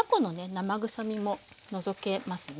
生臭みも除けますね。